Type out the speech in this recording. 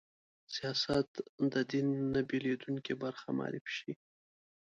سیاست د دین نه بېلېدونکې برخه معرفي شي